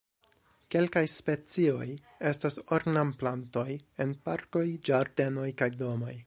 Kelkaj specioj estas ornamplantoj en parkoj, ĝardenoj kaj domoj.